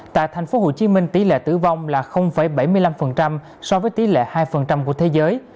tại tp hcm tỷ lệ tử vong là bảy mươi năm so với tỷ lệ hai của thế giới